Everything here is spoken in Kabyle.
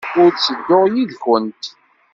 Ur ttedduɣ yid-went.